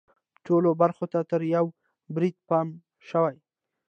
ټولو برخو ته تر یوه بریده پام شوی.